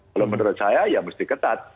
kalau menurut saya ya mesti ketat